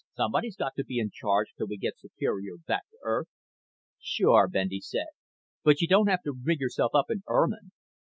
Somebody's got to be in charge till we get Superior back to Earth." "Sure," Bendy said, "but you don't have to rig yourself up in ermine.